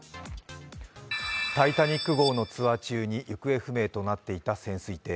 「タイタニック」号のツアー中に行方不明となっていた潜水艇。